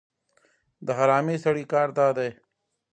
د حرامي سړي کار دا دی.